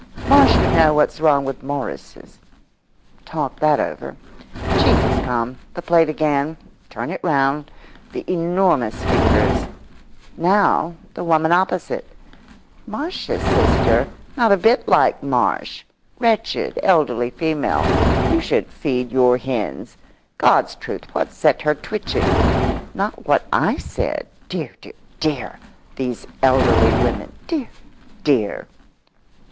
"Marsh would know what's wrong with Morrises…" talk that over; cheese has come; the plate again; turn it round—the enormous fingers; now the woman opposite. "Marsh's sister—not a bit like Marsh; wretched, elderly female.… You should feed your hens.… God's truth, what's set her twitching? Not what I said? Dear, dear, dear! these elderly women. Dear, dear!"